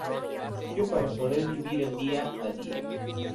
Es su apoyo para poder vivir el día a día...